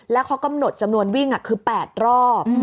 แล้วเขากำหนดจำนวนวิ่งคือ๘รอบ